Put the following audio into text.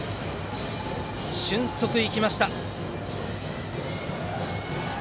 俊足が生きました。